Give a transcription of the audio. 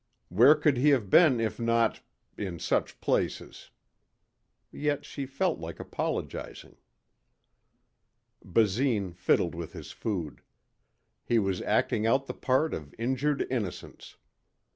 Where could he have been if not in such places? Yet she felt like apologizing. Basine fiddled with his food. He was acting out the part of injured innocence.